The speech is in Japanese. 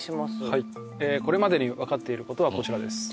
はいはいこれまでに分かっていることはこちらです